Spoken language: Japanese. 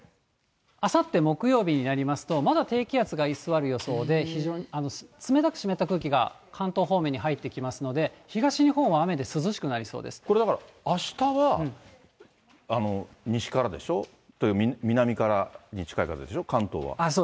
あさって木曜日になりますと、まだ低気圧が居座る予想で、非常に冷たく湿った空気が関東方面に入ってきますので、東日本は雨でこれだから、あしたは西からでしょ？というか、南からに近い風でしょう、関東は。